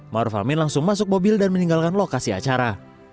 maruf amin langsung masuk mobil dan meninggalkan lokasi acara